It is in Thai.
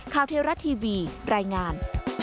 ข่าวเทวรัตทีวีแบรนด์งาน